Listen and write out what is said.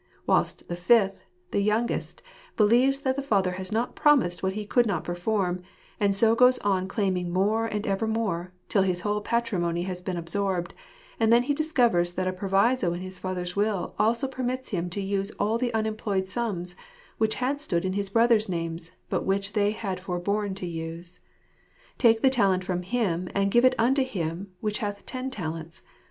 Whilst the fifth, and youngest, believes that the father has not promised what he could not perform, and so goes on claiming more and ever more, till his whole patrimony has been absorbed; and then he discovers that a proviso in his father's will also permits him to use all the unemployed sums which had stood in his brother's names, but which they had forborne to use. " Take the talent from him, and give it unto him which hath ten talents.